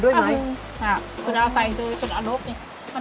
อ๋อแล้วใบอะไรคะหลังป้า